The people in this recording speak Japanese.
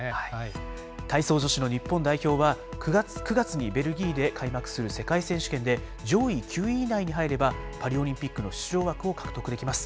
体操女子の日本代表は、９月にベルギーで開幕する世界選手権で上位９位以内に入れば、パリオリンピックの出場枠を獲得できます。